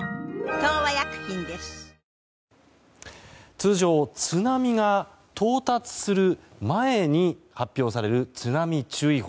通常、津波が到達する前に発表される津波注意報。